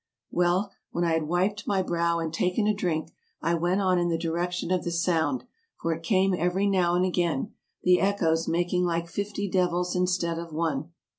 Well, when I had wiped my brow and taken a drink I went on in the direction of the sound, for it came every now and again, the echoes making like fifty devils in stead of one.